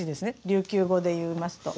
琉球語で言いますと。